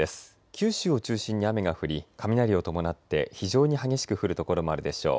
九州を中心に雨が降り雷を伴って非常に激しく降る所もあるでしょう。